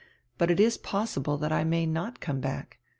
But it is possible that I may not come back.